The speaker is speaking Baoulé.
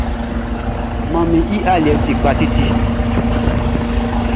Manmi i aliɛʼn ti kpa titi.